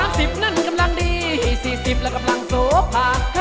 สามสิบนั้นกำลังดีสี่สิบละรับรังโสภา